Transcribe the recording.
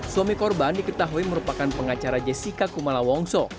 suami korban diketahui merupakan pengacara jessica kumala wongso